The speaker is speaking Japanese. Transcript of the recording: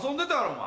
お前。